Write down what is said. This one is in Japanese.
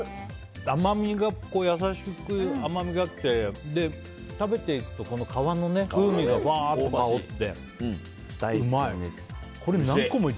優しく甘みがあって食べていくと皮の風味がふわーっと香って、うまい。